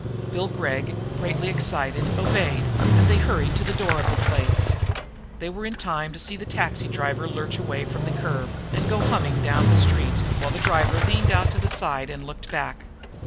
Bill Gregg, greatly excited, obeyed, and they hurried to the door of the place. They were in time to see the taxicab lurch away from the curb and go humming down the street, while the driver leaned out to the side and looked back.